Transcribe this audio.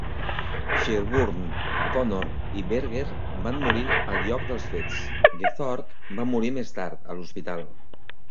Sherburne, Connor i Berger van morir al lloc dels fets; Gezork va morir més tard a l'hospital.